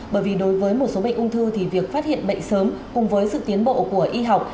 bởi vì đối với một số bệnh ung thư thì việc phát hiện bệnh sớm cùng với sự tiến bộ của y học